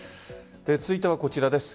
続いてはこちらです。